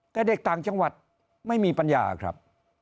แต่เด็กต่างจังหวัดไม่มีปัญญาครับ